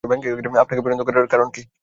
আপনাকে পছন্দ করার কারণ কী?